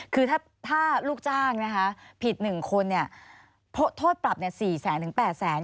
คือถ้าลูกจ้างผิด๑คนโทษปรับ๔แสนหรือ๘แสน